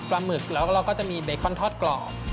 ปลาหมึกแล้วเราก็จะมีเด็กคอนทอดกล่อ